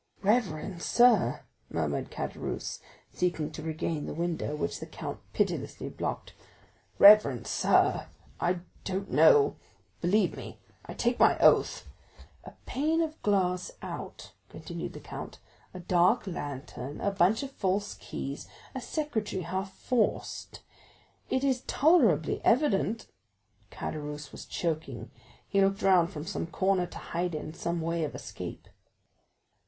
"Reverend sir," murmured Caderousse, seeking to regain the window, which the count pitilessly blocked—"reverend sir, I don't know—believe me—I take my oath——" "A pane of glass out," continued the count, "a dark lantern, a bunch of false keys, a secretaire half forced—it is tolerably evident——" Caderousse was choking; he looked around for some corner to hide in, some way of escape.